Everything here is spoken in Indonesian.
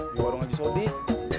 di warung ajo sodik